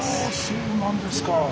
そうなんですか。